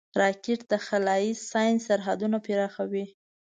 راکټ د خلایي ساینس سرحدونه پراخوي